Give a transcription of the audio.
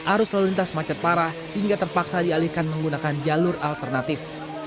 arus lalu lintas macet parah hingga terpaksa dialihkan menggunakan jalur alternatif